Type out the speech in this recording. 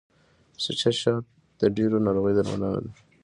سوچه شات د ډیرو ناروغیو درملنه ده.